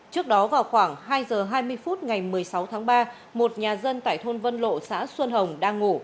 trước đó vào khoảng hai h hai mươi phút ngày một mươi sáu tháng ba một nhà dân tại thôn vân lộ xã xuân hồng đang ngủ